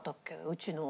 うちの。